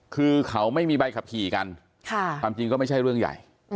คือเขาไม่มีใบขับขี่กันความจริงก็ไม่ใช่เรื่องใหญ่